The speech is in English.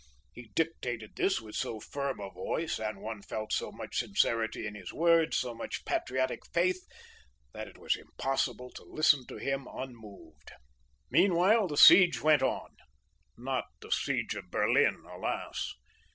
'"He dictated this with so firm a voice, and one felt so much sincerity in his words, so much patriotic faith, that it was impossible to listen to him unmoved."Meanwhile the siege went on—not the siege of Berlin, alas!